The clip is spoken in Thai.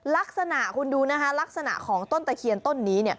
ลักษณะคุณดูนะคะลักษณะของต้นตะเคียนต้นนี้